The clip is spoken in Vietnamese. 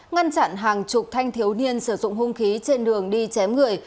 ngăn chặn hàng chục thanh thiếu niên sử dụng hung khí trên đường đi chém người